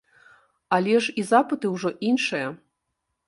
Але ж і запыты ўжо іншыя.